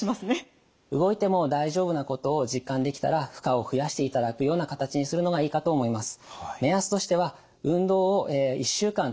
動いても大丈夫なことを実感できたら負荷を増やしていただくような形にするのがいいかと思います。